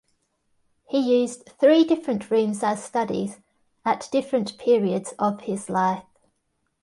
He used three different rooms as studies at different periods of his life.